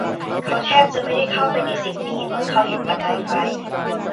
เขาแทบจะไม่ได้เข้าไปในสิ่งนี้เมื่อเขาเห็นประกายไฟ